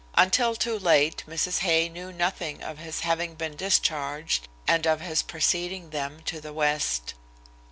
Until too late, Mrs. Hay knew nothing of his having been discharged and of his preceding them to the West.